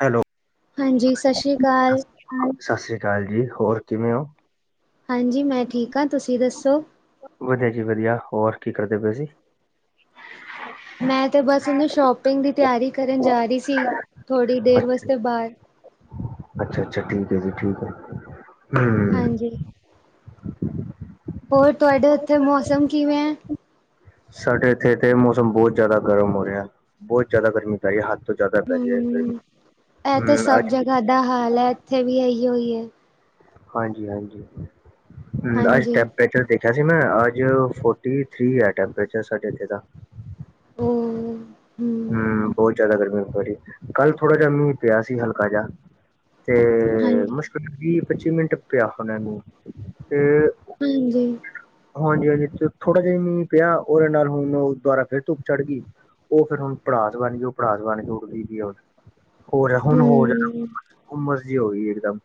Hello. ਹਾਂਜੀ ਸਤਿ ਸ਼੍ਰੀ ਅਕਾਲ ਸਤਿ ਸ੍ਰੀ ਅਕਾਲ ਜੀ ਹੋਰ ਕਿਵੇਂ ਹੋ ਹਾਂਜੀ ਮੈਂ ਠੀਕ ਹਾਂ ਤੁਸੀਂ ਦੱਸੋ ਵਧੀਆ ਜੀ ਵਧੀਆ ਹੋਰ ਕੀ ਕਰਦੇ ਪਏ ਸੀ ਮੈਂ ਤੇ ਬਸ ਉਹਨੂੰ ਸ਼ੋਪਿੰਗ ਦੀ ਤਿਆਰੀ ਕਰਨ ਜਾ ਰਹੀ ਸੀ ਥੋੜ੍ਹੀ ਦੇਰ ਵਾਸਤੇ ਬਾਹਰ ਅੱਛਾ ਅੱਛਾ ਠੀਕ ਹੈ ਜੀ ਠੀਕ ਹੈ ਹਮ ਹਾਂਜੀ, ਹੋਰ ਤੁਹਾਡੇ ਉੱਥੇ ਮੌਸਮ ਕਿਵੇਂ ਹੈ। ਸਾਡੇ ਇੱਥੇ ਤੇ ਮੌਸਮ ਬਹੁਤ ਜਿਆਦਾ ਗਰਮ ਹੋ ਰਿਹਾ ਬਹੁਤ ਜਿਆਦਾ ਗਰਮੀ। ਹੱਦ ਤੋਂ ਜ਼ਿਆਦਾ ਪੈ ਰਿਹਾ ਹਮ, ਹਮ ਅੱਜ ਵੀ ਬੜਾ ਹਾਲ ਹੈ ਇੱਥੇ ਵੀ ਇਹੀਓ ਹੀ ਹੈ। ਹਾਂਜੀ ਹਾਂਜੀ ਹ ਅੱਜ ਹਾਂਜੀ, ਟੈਂਪਰੇਚਰ ਦੇਖਿਆ ਸੀ ਮੈਂ ਅੱਜ ਫੋਰਟੀ ਥਰੀ ਹੈ ਟੈਂਪਰੇਚਰ ਸਾਡੇ ਇੱਥੇ ਦਾ ਹਮ। ਹਮ ਬਹੁਤ ਜਿਆਦਾ ਗਰਮੀ ਜੀ ਕੱਲ ਥੋੜਾ ਜਿਹਾ ਮੀਂਹ ਪਿਆ ਸੀ ਹਲਕਾ ਜਿਹਾ ਤੇ ਹਾਂਜੀ। ਮੁਸ਼ਕਿਲ ਵੀਹ ਪੱਚੀ ਮਿੰਟ ਪਿਆ ਉਹਨਾਂ ਨੂੰ ਤੇ ਹਾਂਜੀ। ਹਾਂਜੀ-ਹਾਂਜੀ, ਤੇ ਥੋੜਾ ਜਿਹਾ ਮੀ ਪਿਆ ਉਹਦੇ ਨਾਲ ਹੁਣ ਉਹ ਦੁਬਾਰਾ ਫੇਰ ਧੁੱਪ ਚੜ੍ਹ ਗਈ। ਉਹ ਫਿਰ ਹੁਣ ਪੜਾਸ ਬਣ ਗਈ, ਉਹ ਪੜਾਸ ਬਣ ਉੜ [unintelligible] ਹਮਮ। ਉਮਸ ਜ਼ੀ ਹੋ ਗਈ ਇਕ ਦਮ।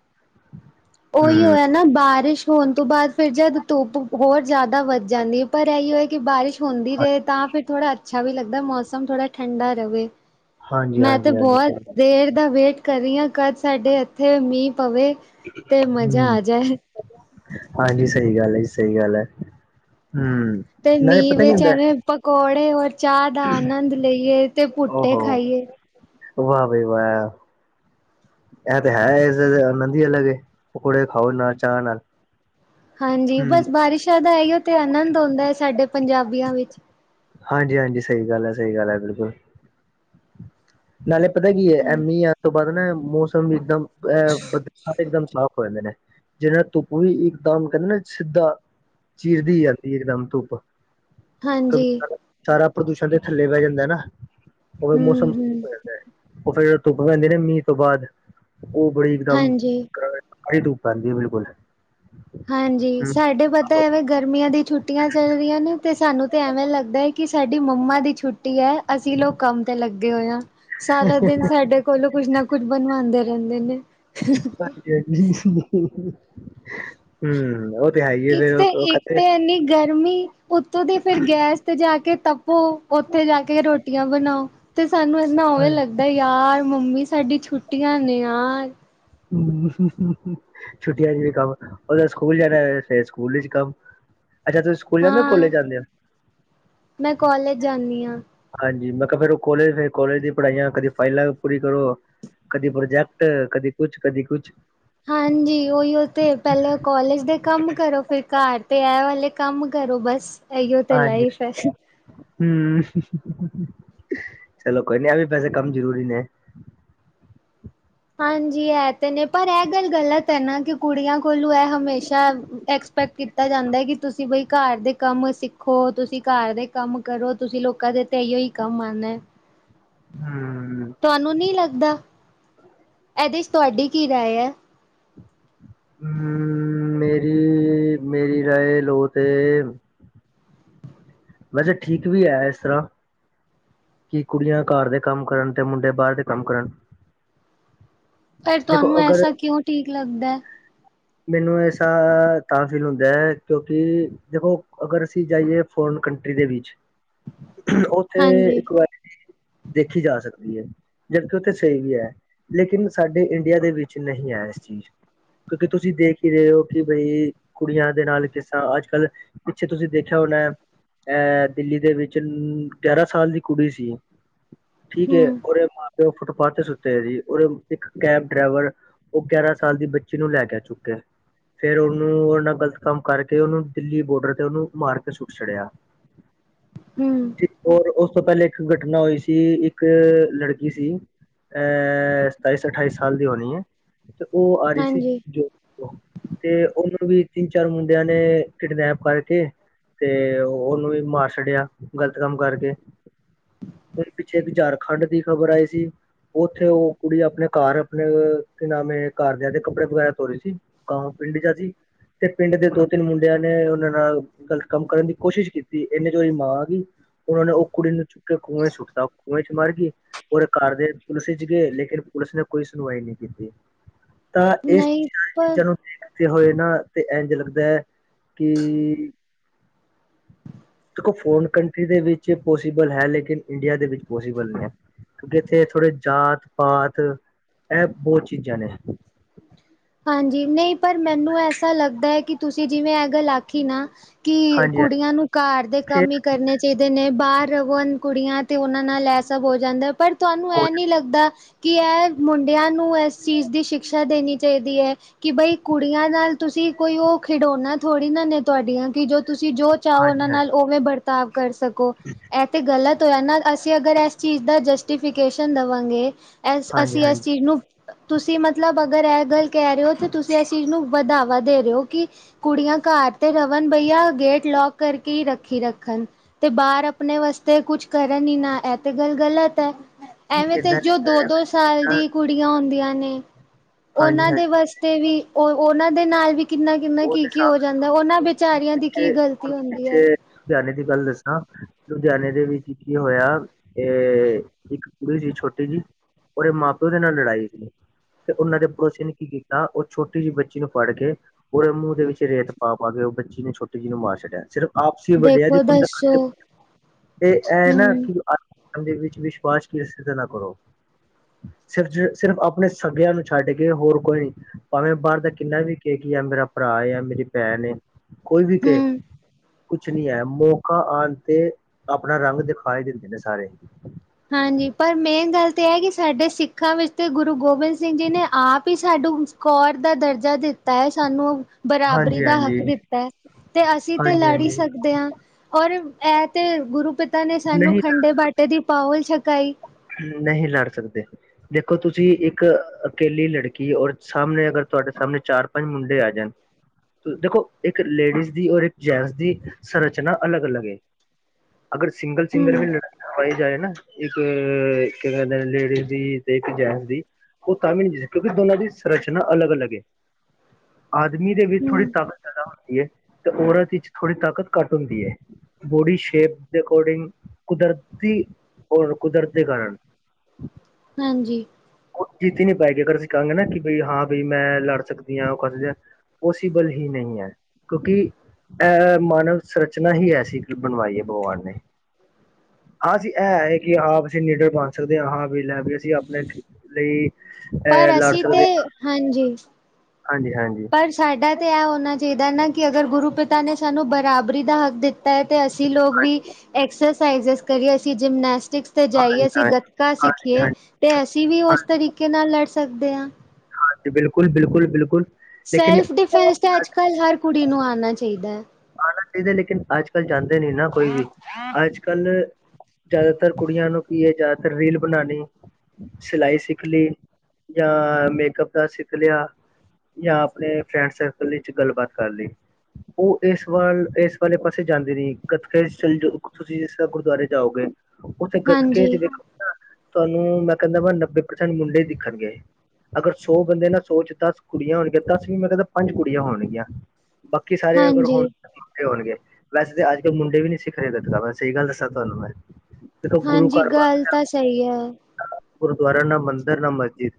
ਉਹੀਓ ਹੈ ਨਾ ਬਾਰਿਸ਼ ਹੋਣ ਤੋਂ ਬਾਅਦ ਫਿਰ ਜਦ ਧੁੱਪ ਹੋਰ ਜ਼ਿਆਦਾ ਵੱਧ ਜਾਂਦੀ ਹੈ, ਪਰ ਇਹੀ ਹੋਏ ਕਿ ਬਾਰਿਸ਼ ਹੁੰਦੀ ਹਾਂ- ਰਹੇ ਤਾਂ ਫਿਰ ਥੋੜ੍ਹਾ ਅੱਛਾ ਵੀ ਲੱਗਦਾ ਹੈ, ਮੌਸਮ ਥੋੜ੍ਹਾ ਠੰਡਾ ਰਹੇ। ਹਾਂਜੀ ਮੈਂ ਤੇ ਹਾਂਜੀ ਹਾਂਜੀ ਬਹੁਤ ਸਹੀ ਦੇਰ ਦਾ ਵੇਟ ਕਰੀਆਂ ਕਦ ਸਾਡੇ ਇੱਥੇ ਮੀਂਹ ਪਵੇ ਤੇ ਮਜ਼ਾ ਹਮ ਆ ਜਾਏ। ਹਾਂਜੀ। ਸਹੀ ਗੱਲ ਹੈ ਜੀ, ਸਹੀ ਗੱਲ ਹੈ। ਹਮਮ। ਤੇ ਮੀਂਹ ਵਿੱਚ ਐਵੇੇ ਪਕੌੜੇ ਓਰ ਚਾਹ ਦਾ ਆਨੰਦ ਲਈਏ, ਤੇ ਭੁੱਟੇ ਓਹੋ ਖਾਈਏ। ਵਾਹ ਭਾਈ ਵਾਹ। ਇਹ ਤੇ ਹੈ, ਇਸ ਦੇ ਆਨੰਦ ਹੀ ਅਲੱਗ ਏ ਪਕੌੜੇ ਖਾਓ ਚਾਹਅ ਨਾਲ। ਹਾਂਜੀ ਹਮ ਬਸ ਬਾਰਿਸ਼ਾਂ ਦਾ ਹੈ ਹੀ ਉਹ ਤੇ ਆਨੰਦ ਹੋਂਦਾ ਹੈ ਸਾਡੇ ਪੰਜਾਬੀਆਂ ਵਿੱਚ। ਹਾਂਜੀ-ਹਾਂਜੀ ਆ, ਸਹੀ ਗੱਲ ਹੈ-ਸਹੀ ਗੱਲ ਹੈ ਬਿਲਕੁਲ। ਨਾਲੇ ਪਤਾ ਕੀ ਹੈ ਐਮੀ ਯਦ ਤੋਂ ਬਾਅਦ ਨਾ ਮੌਸਮ ਇੱਕਦਮ ਇਹ ਬੱਦਲ ਇਕਦਮ ਸਾਫ਼ ਹੋ ਜਾਂਦੇ ਨੇ। ਜਿਹੇ ਧੁੱਪ ਵੀ ਇਕਦਮ ਕਹਿੰਦੇ ਨਾ ਸਿੱਧਾ, ਚੀਰਦੀ ਆਉਂਦੀ ਇੱਕਮ ਧੁੱਪ। ਹਾਂਜੀ ਕਿਉਂਕਿ ਸਾਰਾ ਪ੍ਰਦੂਸ਼ਣ ਤੇ ਥੱਲੇ ਬੈ ਜਾਂਦਾ ਨਾ, ਉਹਵੇ ਹੂੰ ਮੌਸਮ- ਹੂੰ ਉਹ ਫੇਰ ਧੁੱਪ ਪੈਂਦੇ ਨੇ ਮੀਂਹ ਤੋਂ ਬਾਅਦ, ਉਹ ਬੜੀ ਇਕਦਮ ਹਾਂਜੀ। ਆਹੀ ਧੂੱਪ ਆਂਦੀ ਬਿਲਕੁਲ ਹਾਂਜੀ ਹਮ ਸਾਡੇ ਪਤਾ ਐਵੇ ਗਰਮੀਆਂ ਦੀ ਛੁੱਟੀਆਂ ਚੱਲ ਰਹੀਆਂ ਨੇ ਤੇ ਸਾਨੂੰ ਤਾਂ ਐਵੇਂ ਲੱਗਦਾ ਹੈ ਕਿ ਸਾਡੀ ਮੰਮਾ ਦੀ ਛੁਟ ਟੀ ਹੈ ਅਸੀਂ ਲੋਕ ਕੰਮ ਤੇ ਲੱਗੇ ਹੋਏ ਹਾਂ। ਸਾਰਾ ਦਿਨ ਸਾਡੇ ਕੋਲੋਂ ਕੁਛ ਨਾ ਕੁਛ ਬਣਵਾਉਂਦੇ ਰਹਿੰਦੇ ਨੇ। ਹਾਂਜੀ-ਹਾਂਜੀ [unintelligible] ਹਮਮ ਓਰ ਇੱਕ ਤੇ-ਇੱਕ ਤੇ ਇਨੀ ਗਰਮੀ ਉੱਤੋਂ ਦੀ ਫਿਰ ਗੈਸ ਤੇ ਜਾ ਕੇ ਤਪ ਓ ਉੱਥੇ ਜਾ ਕੇ ਰੋਟੀਆਂ ਬਣਾਓ ਤੇ ਸਾਨੂੰ ਇਨਾ ਹੋ ਗੇਆ ਲਗ ਬੀ ਯਾਰ ਮੰਮੀ ਸਾਡੀ ਛੁੱਟੀਆਂ ਨੇ ਯਾਰ। ਹਮਮ। ਹੁ-ਹੁ-ਹੁ ਛੁੱਟੀਆਂ ਚ ਵੀ ਕੰਮ, ਉਦੋਂ ਸਕੂਲ ਜਾਣਾ ਫੇਰ ਸਕੂਲ ਚ ਕੰਮ। ਅੱਛਾ ਤੁਸੀ ਸਕੂ ਹਾਂ, ਮੈਂ ਕਾੱਲਜ ਜਾਂਦੀ ਹਾਂ। ਹਾਂਜੀ, ਮੈਂ ਕਿਹਾ ਫੇਰ ਉਹ ਕੋਲੇਜ ਫ ਕੋਲੇਜ ਦੀ ਪੜ੍ਹਾਈਆਂ ਕਦੇ ਫਾਈਲਾਂ ਪੂਰੀ ਕਰੋ। ਕਦੀ ਪ੍ਰੋਜੈਕਟ ਕਦੀ ਕੁਛ-ਕਦੀ ਕੁਛ। ਹਾਂਜੀ ਉਓਹੀ ਤੇ ਪਹਿਲਾਂ ਕੋਲਜ ਦੇ ਕੰਮ ਕਰੋ ਫਿਰ ਘਰ ਤੇ ਇਹ ਵਾਲੇ ਕੰਮ ਕਰੋ ਬਸ ਇਹੀਓ ਤੇ ਲਾਈਫ ਹੈ। ਹਮਮ ਹੁ-ਹੁ-ਹੁ ਚਲੋ ਕੋਈ ਨੀ ਇਹ ਵੀ ਵੈਸੇ ਕੰਮ ਜ਼ਰੂਰੀ ਨੇ। ਹਾਂਜੀ ਇਹ ਤੇ ਨੇ। ਪਰ ਇਹ ਗੱਲ ਗਲਤ ਹੈ ਨਾ ਕਿ ਕੁੜੀਆਂ ਕੋਲੋਂ ਇਹ ਹਮੇਸ਼ਾ ਐਕਸ ਪੈਕਟ ਕੀਤਾ ਜਾਂਦਾ ਕਿ ਤੁਸੀਂ ਬਈ ਘਰ ਦੇ ਕੰਮ ਸਿੱਖੋ, ਤੁਸੀਂ ਘਰ ਦੇ ਕੰਮ ਕਰੋ ਤੁਸੀਂ ਲੋਕਾਂ ਦੇ ਤੇ ਈਓ ਹੀ ਕੰਮ ਆਣਾ ਹੈ। ਹਮਮ ਤੁਹਾਨੂੰ ਨੀ ਲੱਗਦਾ [inaudible] ਇਹਦੇ ਚ ਤੁਹਾਡੀ ਕੀ ਰਾਏ ਹੈ? ਹਮਮ ਮ-ਮੇਰੀ-ਮੇਰੀ ਰਾਏ ਲੋ ਤੇ ਵੈਸੇ ਠੀਕ ਵੀ ਹੈ ਇਸ ਤਰਾਂ। ਕਿ ਕੁੜੀਆਂ ਘਰ ਦੇ ਕੰਮ ਕਰਨ ਤੇ ਮੁੰਡੇ ਬਾਹਰ ਦੇ ਕੰਮ ਕਰਨ। ਫੇਰ ਦੇਖੋ ਤੁਹਾਨੂੰ ਅਗਰ ਐਸਾ ਕਿਉਂ ਠੀਕ ਲੱਗਦਾ ਹੈ? ਮੈਨੂੰ ਐਸਾ ਤਾਂ ਫੀਲ ਹੁੰਦਾ, ਕਿਉਂਕਿ ਦੇਖੋ, ਅਗਰ ਅਸੀਂ ਜਾਈਏ ਫੋਰਨ ਕੰਟਰੀ ਦੇ ਵਿੱਚ ਉੱਥੇ ਹਾਂਜੀ ਇੱਕ ਵਾਰੀ ਦੇਖੀ ਜਾ ਸਕਦੀ ਐ। ਜਦਕਿ ਉੱਥੇ ਸਹੀ ਹੈ, ਲੇਕਿਨ ਸਾਡੇ ਇੰਡੀਆ ਦੇ ਵਿੱਚ ਨਹੀਂ ਹੈ ਇਸ ਚੀਜ਼। ਕਿ ਤੁਸੀਂ ਦੇਖ ਹੀ ਰਹੇ ਹੋ ਕਿ ਬਈ, ਕੁੜੀਆਂ ਦੇ ਨਾਲ ਕਿਸ ਤਰ੍ਹਾਂ ਅੱਜ- ਕੱਲ੍ਹ ਪਿੱਛੇ ਤੁਸੀਂ ਦੇਖਿਆ ਹੋਣਾ। ਐ ਦਿੱਲੀ ਦੇ ਵਿੱਚ ਗਿਆਰਾਂ ਸਾਲ ਦੀ ਕੁੜੀ ਸੀ, ਠੀਕ ਐ ਹੂੰ ਉਰੇ ਮਾਰ ਤੇ ਉਹ ਫੁੱਟਪਾਥ ਤੇ ਸੁੱਤੇ ਹੋਏ ਸੀ, ਇੱਕ ਕੈਬ ਡਰੈਵਰ, ਉਹ ਗਿਆਰਾਂ ਸਾਲ ਦੀ ਬੱਚੀ ਨੂੰ ਲੈ ਕਹਿ ਚੁੱਕਿਆ ਫੇਰ ਉਹਨੂੰ, ਉਹ ਨਾਲ ਗ਼ਲਤ ਕੰਮ ਕਰਕੇ, ਉਹਨੂੰ ਦਿੱਲੀ ਬੋਡਰ ਤੇ ਉਹਨੂੰ ਮਾਰ ਕੇ ਸੁੱਟ ਛਡਿਆ। ਹੂੰ, ਔਰ ਉਸ ਤੋਂ ਪਹਿਲੇ ਇੱਕ ਘਟਨਾ ਹੋਈ ਸੀ, ਇੱਕ ਲੜਕੀ ਸੀ ਅਹ ਸਤਾਈਸ ਅਠਾਈ ਸਾਲ ਦੀ ਹੋਣੀ ਏ, ਤੇ ਉਹ ਆ ਰੀ ਸੀ। ਜੋ [inaudible] ਤੇ ਉਹਨੂੰ ਵੀ ਤਿੰਨ-ਚਾਰ ਮੁੰਡਿਆਂ ਨੇ ਕਿਡਨੈਪ ਕਰਕੇ ਤੇ ਉਹਨੂੰ ਵੀ ਮਾਰ ਛੱਡਿਆ, ਗ਼ਲਤ ਕੰਮ ਕਰਕੇ। ਹੁਣ ਪਿੱਛੇ ਇੱਕ ਝਾਰਖੰਡ ਦੀ ਖ਼ਬਰ ਆਈ ਸੀ। ਔਥੇ ਉਹ ਕੁੜੀ ਅਪਣੇ ਘਰ ਅਪਣੇ ਕੀ ਨਾਮ ਏ, ਘਰਦਿਆਂ ਦੇ ਕੱਪੜੇ ਵਗੈਰਾ ਧੋ ਰਹੀ ਸੀ, ਹਾਂ ਪਿੰਡ ਜਾ ਸੀ, ਤੇ ਪਿੰਡ ਦੇ ਦੋ-ਤਿੰਨ ਮੁੰਡਿਆਂ ਨੇ ਉਹਨਾਂ ਨਾਲ ਗਲਤ ਕੰਮ ਕਰਨ ਦੀ ਕੋਸ਼ਿਸ਼ ਕੀਤੀ, ਏਨੇ ਚ ਉਹਦੀ ਮਾਂ ਆਗੀ। ਉਹਨਾਂ ਨੇ ਉਹ ਕੁੜੀ ਨੂੰ ਚੁੱਕ ਕੇ ਕੁੰਏ ਚ ਸੁੱਟਤਾ, ਕੁੰਏ ਚ ਮਰਗੀ। ਓਦੇ ਘਰ ਦੇ ਪੁਲਿਸ ਵਿਚ ਗਏ, ਲੇਕਿਨ ਪੁਲਿਸ ਨੇ ਕੋਈ ਸੁਣਵਾਈ ਨੀ ਕੀਤੀ‌, ਤਾਂ ਇਸ ਨਹੀਂ ਪਰ ਚੀਜ਼ਾਂ ਨੂੰ ਦੇਖਦੇ ਹੋਏ ਨਾ, ਤੇ ਇੰਝ ਲੱਗਦਾ ਹੈ ਕਿ ਦੇਖੋ, ਫੋਰਨ ਕੰਟਰੀ ਦੇ ਵਿੱਚ ਪੋਸੀਬਲ ਹੈ, ਲੇਕਿਨ ਇੰਡੀਆ ਦੇ ਵਿੱਚ ਪੋਸੀਬਲ ਨਹੀਂ ਐ। ਕਿਉਂਕਿ ਇੱਥੇ ਥੋੜੇ ਜਾਤ-ਪਾਤ, ਐਹ ਬੋਤ ਚੀਜ਼ਾਂ ਨੇ। ਹਾਂਜੀ, ਨਈ ਪਰ ਮੈਨੂੰ ਐਸਾ ਲੱਗਦਾ ਐ, ਕਿ ਤੁਸੀਂ ਜਿਵੇਂ ਐਹ ਗੱਲ ਆਖੀ ਨਾ ਕਿ ਹਾਂਜੀ ਹਾਂਜੀ ਕੁੜੀਆਂ ਨੂੰ ਘਰ ਦੇ ਕੰਮ ਈ ਸਿਰਫ ਕਰਨੇ ਚਾਹੀਦੇ ਨੇ, ਬਾਹਰ ਰਵਨ ਕੁੜੀਆਂ ਤੇ ਉਹਨਾਂ ਨਾਲ ਐ ਸਭ ਹੋ ਜਾਂਦਾ, ਪਰ ਤੁਹਾਨੂੰ ਐ ਭੋਜਨ- ਨੀ ਲੱਗਦਾ ਕਿ ਐਹ ਮੁੰਡਿਆਂ ਨੂੰ ਐਸ ਚੀਜ਼ ਦੀ ਸ਼ਿਕਸ਼ਾ ਦੇਣੀ ਚਾਹੀਦੀ ਕਿ ਬਈ ਕੁੜੀਆਂ ਨਾਲ ਤੁਸੀਂ ਕੋਈ ਉਹ ਖਿਡੌਣਾ ਥੋੜ੍ਹੀ ਨਾ ਨੇ ਤੁਆਡੀਆਂ, ਕਿ ਜੋ ਤੁਸੀਂ ਜੋ ਚਾਹੋ ਉਹਨਾਂ ਹਾਂਜੀ ਹਾਂਜੀ ਨਾਲ ਉਵੇਂ ਵਰਤਾਵ ਕਰ ਸਕੋ, ਐਹ ਤੇ ਗਲਤ ਹੋਇਆ ਨਾ, ਅਸੀਂ ਅਗਰ ਐਸ ਚੀਜ਼ ਚ ਦਾ ਜਸਟੀਫਿਕੇਸ਼ਨ ਦਵਾਂਗੇ, ਏਸ ਹਾਂਜੀ ਅਸੀਂ ਹਾਂਜੀ ਏਸ ਚੀਜ਼ ਨੂੰ ਤੁਸੀਂ ਮਤਲਬ ਅਗਰ ਐ ਗੱਲ ਕਹਿ ਰੇ ਔ, ਤੇ ਤੁਸੀਂ ਇਸ ਚੀਜ਼ ਨੂੰ ਵਧਾਵਾ ਦੇ ਰਹੇ ਔ, ਕਿ ਕੁੜੀਆਂ ਘਰ ਤੇ ਰਵਣ ਬਈਆ, ਗੇਟ ਲੌਕ ਕਰਕੇ ਹੀ ਰੱਖੀ ਰੱਖਣ। ਤੇ ਬਾਹਰ ਆਪਣੇ ਵਾਸਤੇ ਕੁਛ ਕਰਨ ਹੀ ਨਾ, ਇਹ ਤੇ ਗੱਲ ਗਲਤ ਐ। ਨਹੀਂ ਐਵੇਂ ਤੇ ਏਦਾਂ ਨਹੀਂ ਜੋ ਕਹਿ ਦੋ- ਰਿਹਾ ਦੋ ਮੈਂ, ਸਾਲ ਏਦਾਂ ਦੀ ਕੁੜੀਆਂ ਹੁੰਦੀਆਂ ਨੇ ਹਾਂਜੀ ਉਹਨਾਂ ਦੇ ਹਾਂਜੀ ਵਾਸਤੇ ਵੀ, ਉਹ ਉਹਨਾਂ ਦੇ ਨਾਲ ਵੀ ਕਿੰਨਾ- ਕਿੰਨਾ ਉਹ ਕੀ- ਤੇ ਕੀ ਹੋ ਸਾਫ਼ ਜਾਂਦਾ, ਉਹਨਾਂ ਵਿਚਾਰੀਆਂ ਦੀ ਕੀ ਪਿੱਛੇ ਗ਼ਲਤੀ ਹੁਣ ਹੁੰਦੀ ਐ। ਪਿੱਛੇ ਲੁਧਿਆਣੇ ਦੀ ਗੱਲ ਦੱਸਾਂ, ਲੁਧਿਆਣੇੇ ਦੇ ਵਿੱਚ ਕੀ ਹੋਇਆ ਤੇ ਇੱਕ ਕੁੜੀ ਸੀ ਛੋਟੀ ਜੀ, ਔਦੇ ਮਾਂ-ਪਿਓ ਦੇ ਨਾਲ ਲੜਾਈ ਸੀ। ਤੇ ਓਹਨਾਂ ਦੇ ਪੜੋਸੀਆ ਨੇ ਕੀ ਕੀਤਾ, ਓਹ ਛੋਟੀ ਜੀ ਬੱਚੀ ਨੂੰ ਫੜ੍ਹ ਕੇ ਉਹਦੇ ਮੂੰਹ ਦੇ ਵਿੱਚ ਰੇਤ ਪਾ-ਪਾ ਕੇ, ਓਹ ਬੱਚੀ ਨੂੰ ਛੋਟੀ ਜੀ ਨੂੰ ਮਾਰ ਛੱਡਿਆ, ਸਿਰਫ ਆਪਸੀ ਵੱਡਿਆ ਦੀ ਦੇਖੋ ਖੁੰਦਕ ਦੱਸੋ ਤੇ, ਐ ਨਾ ਹਮ ਕਿ ਇਹਦੇ ਵਿੱਚ ਵਿਸ਼ਵਾਸ, ਕਿਸੀ ਤੇ ਨਾ ਕਰੋ। ਸਿਰਫ-ਸਿਰਫ ਆਪਣੇ ਸਗਿਆਂ ਨੂੰ ਛੱਡ ਕੇ, ਹੋਰ ਕੋਈ ਨੀ ਭਾਂਵੇਂ, ਬਾਹਰ ਦਾ ਕਿੰਨਾ ਵੀ ਯਾ ਮੇਰਾ ਭਰਾ ਏ, ਯਾ ਮੇਰੀ ਭੈਣ ਏ, ਕੋਈ ਵੀ ਕਹੇ ਹੂੰ ਕੁਛ ਨੀ ਐ, ਮੌਕਾ ਆਣ ਤੇ ਆਪਣਾ ਰੰਗ ਦਿਖਾ ਈ ਦਿੰਦੇ ਨੇ ਸਾਰੇ। ਹਾਂਜੀ, ਪਰ ਮੇਨ ਗੱਲ ਤਾਂ ਐਹ ਕਿ ਸਾਡੇ ਸਿੱਖਾਂ ਵਿੱਚ ਗੁਰੂ ਗੋਬਿੰਦ ਸਿੰਘ ਜੀ ਨੇ ਆਪ ਹੀ ਸਾਡੂੰ ਕੌਰ ਦਾ ਦਰਜਾ ਦਿੱਤਾ ਐ ਸਾਨੂੰ। ਬਰਾਬਰੀ ਹਾਂਜੀ ਦਾ ਹਾਂਜੀ ਹੱਕ ਦਿੱਤਾ ਐ, ਤੇ ਅਸੀਂ ਤੇ ਹਾਂਜੀ ਲੜ ਈ ਹਾਂਜੀ ਸਕਦੇ ਆਂ। ਔਰ, ਐ ਤੇ ਗੁਰੂ ਪਿਤਾ ਨੇ, ਸਾਨੂੰ ਨਹੀਂ ਖੰਡੇ ਬਾਟੇ ਦੀ ਪਾਓਲ ਛਕਾਈ। ਨਹੀਂ ਲੜ ਸਕਦੇ। ਦੇਖੋ, ਤੁਸੀਂ ਇਕ ਅਕੇਲੀ ਲੜਕੀ, ਔਰ ਸਾੱਮਣੇ ਅਗਰ ਤੁਆਡੇ ਸਾੱਮਣੇ ਚਾਰ-ਪੰਜ ਮੁੰਡੇ ਆ ਜਾਣ ਦੇਖੋ, ਇੱਕ ਲੇਡੀਜ਼ ਦੀ ਔਰ ਇੱਕ ਜੈਂਟਸ ਦੀ ਸੰਰਚਨਾ ਅਲੱਗ-ਅਲੱਗ ਏ। ਅਗਰ ਸਿੰਗਲ ਹੂੰ ਸਿੰਗਰ ਵੀ ਲੜਵਾਏ ਜਾਏ ਨਾ, ਇੱਕ ਅ ਕੀ ਕੈਂਦੇ ਨੇ, ਲੇਡੀਜ਼ ਦੀ ਤੇ ਇੱਕ ਜੈਂਟਸ ਦੀ ਔ ਤਾਂ ਵੀ ਨੀ, [unintelligible] ਕਿਉਂਕਿ ਦੋਨਾਂ ਦੀ ਸਰਚਨਾ ਅਲਗ-ਅਲਗ ਏ। [inaudible] ਆਦਮੀ ਦੇ ਵਿੱਚ ਥੋੜੀ ਹੂੰ ਤਾਕਤ ਜ਼ਾਦਾ ਹੁੰਦੀ ਏ, ਤੇ ਔਰਤ ਵਿੱਚ ਥੋੜ੍ਹੀ ਤਾਕਤ ਘੱਟ ਹੁੰਦੀ ਏ। ਬੋਡੀ ਸ਼ੇਪ ਦੇ ਅਕੋਰਡਿੰਗ, ਕੁਦਰਤੀ ਔਰ ਕੁਦਰਤ ਦੇ ਕਾਰਨ ਹਾਂਜੀ। ਔ ਜਿੱਤ ਹੀ ਨੀ ਪਾਏਗੀ। ਅਗਰ ਅਸੀਂ ਕਾੰਗੇ ਨਾ ਕਿ, ਬਈ ਹਾਂ, ਬਈ ਮੈਂ ਲੜ ਸਕਦੀ ਆਂ, ਔ ਕਰਦੇ ਪੋਸੀਬਲ ਹੀ ਨਹੀਂ ਐ, ਕਿਉਂਕਿ ਐ ਮਾਨਵ ਸਰਚਨਾ ਹੀ ਐਸੀ ਬਣਵਾਈ ਏ, ਭਗਵਾਨ ਨੇ। ਹਾਂ, ਅਸੀਂ ਐ ਹੈ ਕਿ ਹਾਂ, ਅਸੀਂ ਨੀਡਰ ਬਣ ਸਕਦੇ ਹਾਂ। ਹਾਂ, ਵੀ ਲੈ ਵੀ, ਅਸੀਂ ਆਪਣੇ ਲਈ ਐ ਪਰ ਲਾੜ ਅਸੀਂ ਸਕਦੇ। ਤੇ ਹਾਂਜੀ। ਹਾਂਜੀ -ਹਾਂਜੀ ਪਰ ਸਾਡਾ ਤਾਂ ਇਹ ਹੋਣਾ ਚਾਹੀਦਾ ਨਾ, ਕਿ ਅਗਰ ਗੁਰੂ ਪਿਤਾ ਨੇ ਸਾਨੂੰ ਬਰਾਬਰੀ ਦਾ ਹੱਕ ਦਿੱ ਤਾ ਹੈ ਤੇ ਅਸੀਂ ਲੋਗ ਵੀ ਹਾਂਜੀ ਐਕਸਰਸਾਇਜਿਸ ਕਰੀਏ, ਅਸੀਂ ਜਿਮਨੈਸਟਿਕਸ ਤੇ ਜਾਈਏ ਹਾਂਜੀ ਹਾਂਜੀ ਅਸੀਂ ਗ ਕਾ ਹਾਂਜੀ ਸਿੱਖੀਏ, ਹਾਂਜੀ, ਤੇ ਅਸੀਂ ਵੀ ਉਸ ਤਰੀਕੇ ਨਾਲ ਲੜ ਸਕਦੇ ਹਾਂ। ਹਾਂਜੀ, ਬਿਲਕੁਲ, ਬਿਲਕੁਲ, ਬਿਲਕੁਲ। ਸੈਲਫ ਡਿਫੈਂਸ ਤੇ ਅੱਜ ਕਲ ਹਰ ਕੁੜੀ ਨੂੰ ਆਉਣਾ ਚਾਹੀਦਾ ਹੈ। ਆਣਾ ਚਾਹੀਦਾ, ਲੇਕਿਨ ਅੱਜ ਕੱਲ ਜਾਂਦੇ ਨੀ ਨਾ ਕੋਈ ਵੀ, ਅੱਜ ਕੱਲ ਜ਼ਿਆਦਾਤਰ ਕੁੜੀਆਂ ਨੂੰ ਕੀਏ? ਜ਼ਿਆਦਾਤਰ ਰੀਲ ਬਣਾਉਣੀ ਸਿਲਾਈ ਸਿੱਖ ਲਈ, ਜਾਂ ਮੇਕਅਪ ਦਾ ਸਿੱਖ ਲਿਆ- ਜਾਂ, ਆਪਣੇ ਫਰੈਂਡ ਸਰਕਲ ਵਿੱਚ ਗੱਲਬਾਤ ਕਰ ਲਈ ਉਹ ਇਸ ਇਸ ਵਾਲੇ ਪਾਸੇ ਜਾਂਦੇ ਨ, ਗੱਤਕੇ ਚ ਚਲਜੋ, ਤੁਸੀਂ [unintelligible] ਗੁਰਦੁਆਰੇ ਜਾਓਗੇ ਉੱਥੇ ਗਤਕੇ ਚ ਹਾਂਜੀ ਵਖੋ ਨ ਤੁਹਾਨੂੰ ਮੈਂ ਕਹਿੰਦਾ, ਨੱਬੇ ਪ੍ਰਸੈਂਟ ਮੁੰਡੇ ਦਿਖਣਗੇ। ਅਗਰ ਸੌ ਬੰਦੇ ਨਾ, ਸੌ ਚ ਦਸ ਕੁੜੀਆਂ ਹੋਣਗੀਆਂ, ਦਸ ਵੀ ਮੈਂ ਕਹਿੰਦਾ, ਪੰਜ ਕੁੜੀਆਂ ਹੋਣਗੀਆਂ। ਬਾਕੀ ਸਾਰੇ ਅਗਰ ਹੁਣ ਹਾਂਜੀ ਮੁੰਡੇ ਹੋਣਗੇ, ਵੈਸੇ ਤਾਂ ਅੱਜ ਕੱਲ ਮੁੰਡੇ ਵੀ ਨਹੀਂ ਸਿੱਖ ਰੇ ਗਤਕਾ, ਮੈਂ ਸਹੀ ਗੱਲ ਦੱਸਾਂ ਤੁਹਾਨੂੰ ਮੈਂ। ਦੇਖੋ ਗੁਰੂ ਹਾਂਜੀ, ਘਰ ਗੱਲ ਵੱਲ ਤਾਂ ਸਹੀ ਹੈ। ਗੁਰਦੁਆਰਾ ਨਾ ਮੰਦਰ ਨਾ ਮਸਜਿਦ।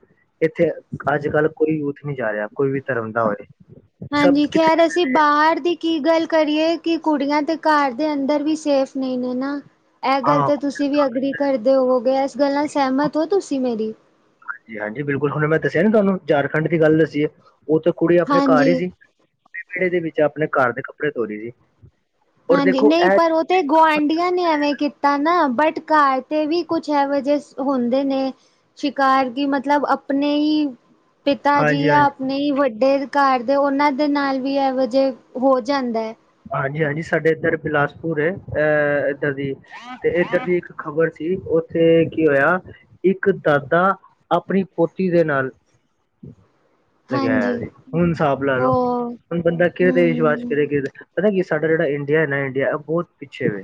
ਇੱਥੇ ਅੱਜ-ਕੱਲ੍ਹ ਕੋਈ ਯੂਥ ਨੀ ਜਾ ਰਿਆ, ਕੋਈ ਵੀ ਧਰਮ ਦਾ ਹੋਏ। ਸਭ ਹਾਂਜੀ ਕਿੱਥੇ ਖ਼ੈਰ ਅਸੀਂ ਜਾਂਦੇ ਨੇ। ਬਾਹਰ ਦੀ ਕੀ ਗੱਲ ਕਰੀਏ, ਕਿ ਕੁੜੀਆਂ ਤੇ ਘਰ ਦੇ ਅੰਦਰ ਵੀ ਸੇਫ ਨਹੀਂ ਨੇ ਨਾ ਇਹ ਗੱਲ ਹਾਂ ਤਾਂ ਤੁਸੀਂ ਵੀ ਅਗਰੀ ਕਰਦੇ ਹੋਗੇ। ਇਸ ਗੱਲ ਨਾਲ ਸਹਿਮਤ ਹੋ ਤੁਸੀਂ ਮੇਰੀ? ਹਾਂਜੀ, ਬਿਲਕੁਲ ਹੁਣ ਮੈਂ ਦੱਸਿਆ ਨ ਤੁਹਾਨੂੰ, ਝਾਰਖੰਡ ਦੀ ਗੱਲ ਦੱਸੀ ਹੈ। ਓਥੇ ਕੁੜੀ ਆਪਣੇ ਘਰ ਹਾਂਜੀ। ਹੀ ਸੀ ਆਪਣੇ ਵਿਹੜੇ ਦੇ ਵਿੱਚ ਆਪਣੇ ਘਰ ਦੇ ਕੱਪੜੇ ਧੋਰੀ ਸੀ। ਔਰ ਹਾਂਜੀ, ਦੇਖੋ ਨਹੀਂ ਇਹ ਪਰ ਉਹ ਤੇ ਗੁਆਂਢੀਆਂ ਨੇ ਐਵੇਂ ਕੀਤਾ ਨਾ, ਬਟ ਘਰ ਤੇ ਵੀ ਕੁਛ ਇਹੋ ਜਿਹੇ ਹੁੰਦੇ ਨੇ ਸ਼ਿਕਾਰ ਕੀ, ਮਤਲਬ ਆਪਣੇ ਹੀ ਪਿਤਾ ਜੀ ਹਾਂਜੀ ਹਾਂਜੀ ਜਾਂ ਨਹੀਂ ਵੱਡੇ ਘਰ ਦੇ, ਉਹਨਾਂ ਦੇ ਨਾਲ ਵੀ ਇਹੋ ਜਹੇ ਹੋ ਜਾਂਦਾ ਹੈ। ਹਾਂਜੀ -ਹਾਂਜੀ, ਸਾਡੇ ਇੱਧਰ ਬਿਲਾਸਪੁਰ ਹੈ, ਅਹ ਇੱਧਰ ਦੀ ਤੇ ਇੱਦਰ ਦੀ ਇੱਕ ਖ਼ਬਰ ਸੀ, ਉੱਥੇ ਕੀ ਹੋਇਆ ਇੱਕ ਦਾਦਾ, ਆਪਣੀ ਪੋਤੀ ਦੇ ਨਾਲ ਲਗਾਇਆ ਹਾਂਜੀ ਸੀ, ਹੁਣ ਹਿਸਾਬ ਲਾ ਲਓ, ਉਹ ਹੁਣ ਬੰਦਾ ਕਿਦੇ ਤੇ ਵਿਸ਼ਵਾਸ ਹਮ ਕਰੇ ਕਿ ਪਤਾ ਕਿ ਸਾਡਾ ਜਿਹੜਾ ਇੰਡੀਆ ਨਾ ਇੰਡੀਆ ਬਹੁਤ ਪਿੱਛੇ ਵ,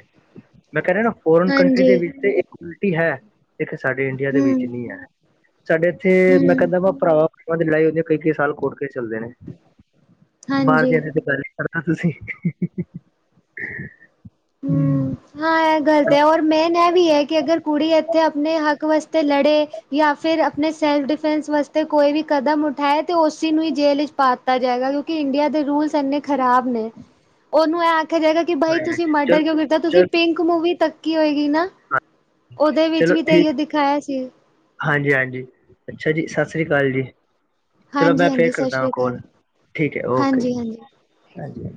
ਮੈਂ ਕਹਿ ਰਿਹਾ ਨਾ ਫੋਰਨ ਕੰਟਰੀ ਹਾਂਜੀ ਦੇ ਵਿੱਚ ਤੇ ਟੀ ਹੈ, ਇੱਕ ਸਾਡੇ ਇੰਡੀਆ ਦੇ ਵਿੱਚ ਹਮ ਨਹੀਂ ਹੈ, ਸਾਡੇ ਇੱਥੇ ਮੈਂ ਹਮ ਕਹਿੰਦਾ ਵਾ ਭਰਾਵਾਂ ਭਾਂ ਦੀ ਲੜਾਈ ਹੁੰਦੀ ਹੈ, ਕਈ ਕਈ ਸਾਲ ਕੋਰਟ ਕੇਸ ਚੱਲਦੇ ਨੇ, ਬਾਹਰ ਹਾਂਜੀ। ਦੀ ਗੱਲ ਕਰਨਾ ਤੁਸੀਂ ਹਮ ਹਾਂ ਇਹ ਗੱਲਤ ਹੈ, ਔਰ ਮੇਨ ਇਹ ਵੀ ਹੈ, ਕਿ ਅਗਰ ਕੁੜੀ ਇੱਥੇ, ਆਪਣੇ ਹੱਕ ਵਾਸਤੇ ਲੜੇ ਜਾਂ ਫਿਰ, ਆਪਣੇ ਸੈਲਫ ਡਿਫੈਂਸ ਵਾਸਤੇ ਕੋਈ ਵੀ ਕਦਮ ਉਠਾਏ, ਤੇ ਉਸਸੀ ਨੂੰ ਹੀ ਜੇਲ ਵਿਚ ਪਾ ਤਾ ਜਾਏਗਾ, ਕਿਉਂਕਿ ਇੰਡੀਆ ਦੇ ਰੂਲਸ ਇੰਨੇ ਖਰਾਬ ਨੇ, ਉਹਨੂੰ ਇਹ ਆਖਿਆ ਜਾਏਗਾ ਕਿ ਬਾਈ ਤੁਸੀਂ ਚਲ ਆਡਰ ਕਿਉਂ ਕੀਤਾ, ਤੁਸੀਂ ਚਲ ਪਿੰਕ ਮੂਵੀ ਤੱਕੀ ਹੋਏਗੀ ਨਾ ਉਹਦੇ ਵਿੱਚ ਚਲੋ ਵੀ ਤੇ ਠੀਕ ਈਓ ਦਿਖਾਇਆ ਸੀ ਹਾਂਜੀ -ਹਾਂਜੀ, ਅੱਛਾ ਜੀ, ਸਤਿ ਸ੍ਰੀ ਅਕਾਲ ਜੀ। ਚਲੋ, ਮੈਂ ਹਾਂਜੀ ਫੇਰ ਹਾਂਜੀ ਸਤਿ ਕਰਦਾਂ ਵਾ ਸ੍ਰੀ ਕੋਲ, ਅਕਾਲ ਠੀਕ ਹੈ ਓਕੇ ਹਾਂਜੀ ਹਾਂਜੀ ਹ